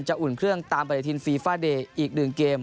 จะอุ่นเครื่องตามบริษัทฟีฟาเดย์อีกหนึ่งเกม